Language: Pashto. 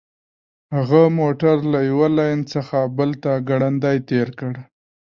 هغه موټر له یوه لین څخه بل ته ګړندی تیر کړ